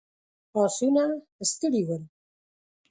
آسونه ستړي ول.